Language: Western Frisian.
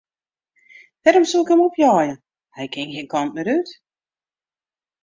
Wêrom soe ik him opjeie, hy kin gjin kant mear út.